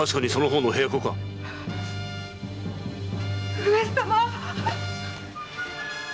上様！